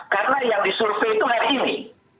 karena yang disurvei itu hari ini